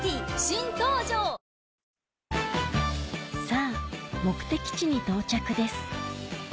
さぁ目的地に到着です